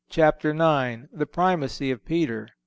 Chapter IX. THE PRIMACY OF PETER.